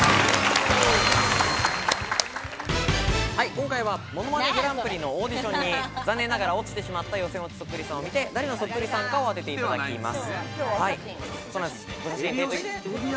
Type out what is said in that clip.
今回は『ものまねグランプリ』のオーディションに残念ながら落ちてしまった予選落ちそっくりさんを見て誰のそっくりさんかを当ててもらいます。